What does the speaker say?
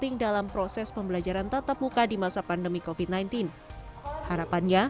insya allah guru guru siap